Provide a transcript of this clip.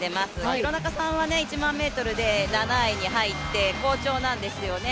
廣中さんは１００００ｍで７位に入って好調なんですよね。